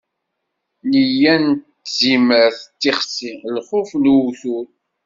Neyya n tzimert d tixsi, lxuf n uwtul.